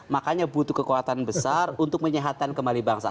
makanya butuh kekuatan besar untuk menyehatkan kembali bangsa